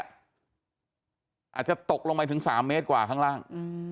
อาจจะตกลงไปถึง๓เมตรกว่าข้างล่าง